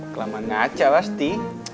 kelamaan aja pasti